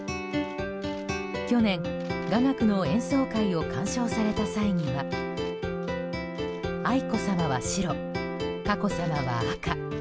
去年、雅楽の演奏会を鑑賞された際には愛子さまは白、佳子さまは赤。